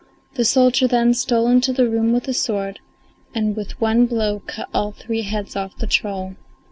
The soldier then stole into the room with the sword, and with one blow cut all the three heads off the troll.